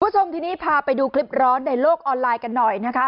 คุณผู้ชมทีนี้พาไปดูคลิปร้อนในโลกออนไลน์กันหน่อยนะคะ